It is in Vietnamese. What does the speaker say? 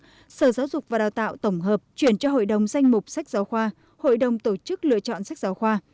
cơ sở giáo dục và đào tạo tổng hợp chuyển cho hội đồng danh mục sách giáo khoa hội đồng tổ chức lựa chọn sách giáo khoa